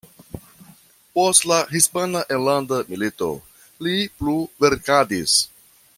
Post la Hispana Enlanda Milito li plu verkadis.